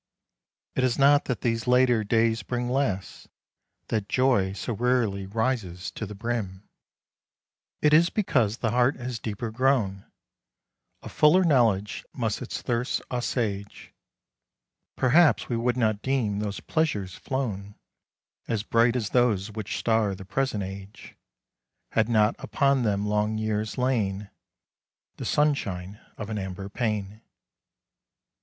It is not that these later days bring less, That joy so rarely rises to the brim; It is because the heart has deeper grown. A fuller knowledge must its thirst assuage. Perhaps we would not deem those pleasures flown As bright as those which star the present age, Had not upon them long years lain The sunshine of an amber pane.